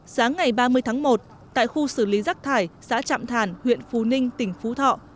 sáng ngày ba mươi tháng một tại khu xử lý rác thải xã trạm thản huyện phú ninh tỉnh phú thọ